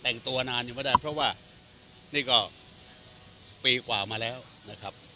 แต่งตัวยังงานอยู่ไม่ได้เพราะว่านี่ก็ปี๕มาแล้วสด